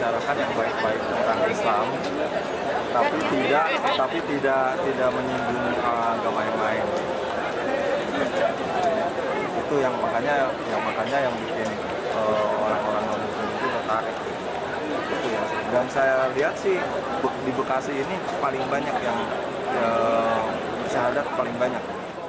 dan saya lihat sih di bekasi ini paling banyak yang bisa dilihat paling banyak